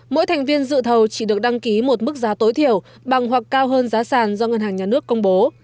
mỗi thành viên dự thầu chỉ được đăng ký một mức giá tối thiểu bằng hoặc cao hơn giá sàn do ngân hàng nhà nước công bố